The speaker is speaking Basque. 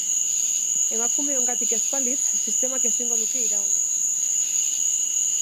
Emakumeongatik ez balitz, sistemak ezingo luke iraun.